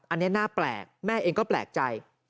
อันนี้น่าแปลกแม่เองก็แปลกใจ